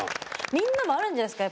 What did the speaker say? みんなもあるんじゃないですか？